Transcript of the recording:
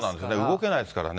動けないですからね。